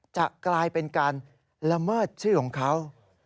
จะกลายเป็นการละเมิดชื่อของเขา